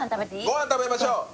ご飯食べましょう！